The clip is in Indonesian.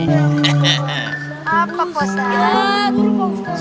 udah pak ustadz